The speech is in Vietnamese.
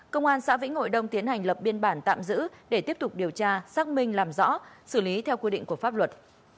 công an xã vĩnh hội đông tiến hành lập biên bản tạm giữ để tiếp tục điều tra xác minh làm rõ xử lý theo quy định của pháp luật